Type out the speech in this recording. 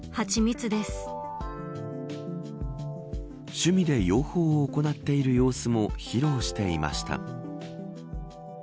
趣味で養蜂を行っている様子も披露していました。